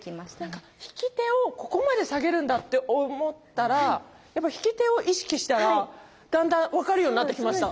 何か引き手をここまで下げるんだって思ったらやっぱ引き手を意識したらだんだん分かるようになってきました。